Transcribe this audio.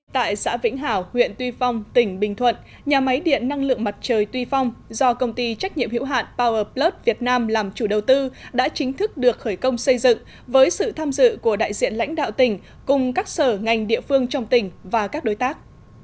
tại xã vĩnh hảo huyện tuy phong tỉnh bình thuận nhà máy điện năng lượng mặt trời tuy phong do công ty trách nhiệm hiệu hạn power plus việt nam làm chủ đầu tư đã chính thức được khởi công xây dựng với sự tham dự của đại diện lãnh đạo tỉnh cùng các sở ngành địa phương trong tỉnh và các đối tác